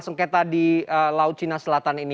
sengketa di laut cina selatan ini